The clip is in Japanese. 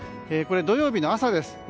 土曜日の朝です。